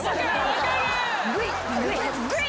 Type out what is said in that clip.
分かる。